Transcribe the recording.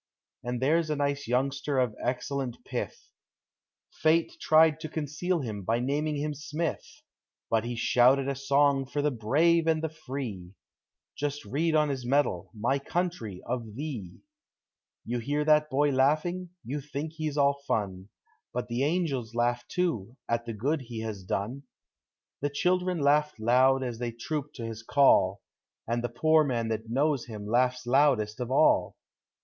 And there's a nice youngster of excellent pith, — Fate tried to conceal him by naming him Smith, I5ut he shouted a song for the brave and the free, — Just read on his medal, "My country," "of thee !" Digitized by Google FRIENDSHIP. 377 You hear that boy laughing? — You think he's all fun; But the angels laugh, too, at the good he has done ; The children laugh loud as they troop to his call, And the poor man that knows him laughs loudest of all!